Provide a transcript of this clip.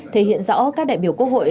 thể hiện rõ các đại biểu quốc hội